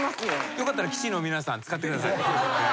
よかったら棋士の皆さん使ってください。